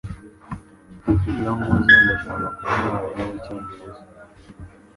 Iyo nkuze, ndashaka kuba umwarimu wicyongereza.